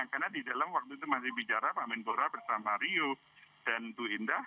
karena di dalam waktu itu masih bicara pak menbora bersama rio dan tuhinda